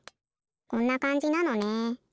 こんなかんじなのね。